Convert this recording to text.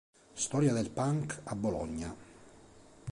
Storia del punk a Bologna".